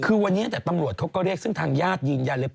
คือวันนี้แต่ตำรวจเขาก็เรียกซึ่งทางญาติยืนยันเลย